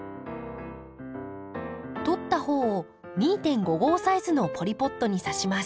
取った穂を２．５号サイズのポリポットにさします。